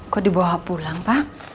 kok dibawa pulang pak